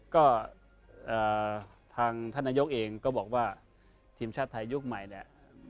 ก็ทางท่านนายกเองก็บอกว่าทีมชาติไทยยุคใหม่เนี่ย